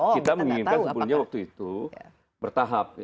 kita menginginkan sebetulnya waktu itu bertahap